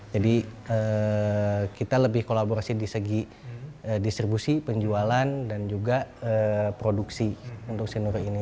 jadi kita lebih kolaborasi di segi distribusi penjualan dan juga produksi untuk si lure ini